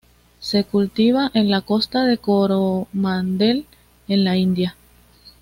Se cultiva en la costa de Coromandel en la India.